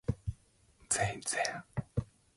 They then die when their mattress catches alight.